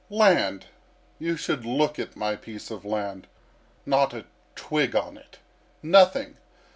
"Land! You should look at my piece of land. Not a twig on it nothing.